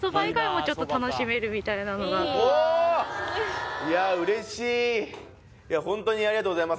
何かいやうれしいいやホントにありがとうございます